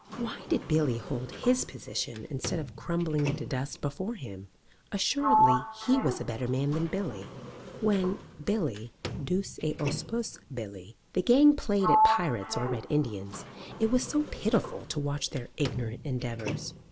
Why did Billy hold his position instead of crumbling into dust before him? Assuredly he was a better man than Billy. When, Billy duce et auspice Billy, the gang played at pirates or Red Indians, it was pitiful to watch their ignorant endeavours.